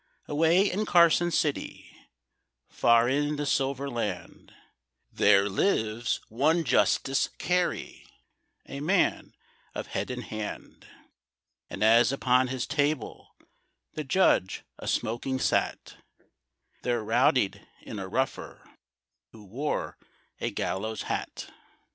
Away in Carson City, Far in the Silver Land, There lives one Justice Carey, A man of head and hand; And as upon his table The Judge a smoking sat There rowdied in a rougher Who wore a gallows hat.